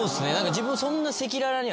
自分そんな。